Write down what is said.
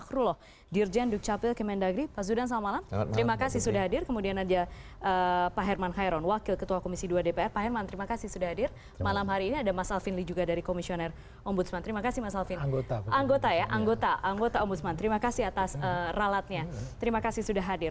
terima kasih sudah hadir